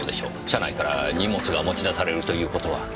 車内から荷物が持ち出されるという事は？